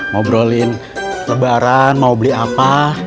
ngobrolin lebaran mau beli apa